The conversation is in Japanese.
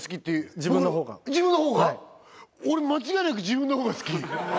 自分のほうが俺間違いなく自分のほうが好き